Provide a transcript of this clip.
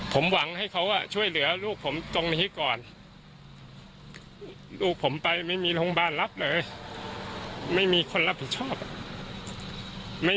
ผมอาจจะรอดก็ได้